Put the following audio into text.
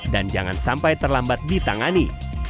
dan jangan sampai terlambat ditangani